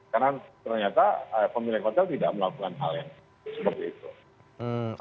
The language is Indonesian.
karena ternyata pemilik hotel tidak melakukan hal yang serius